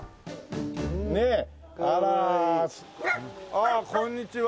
ああこんにちは。